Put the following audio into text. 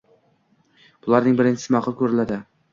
Bularning birinchisi ma’qul ko‘riladi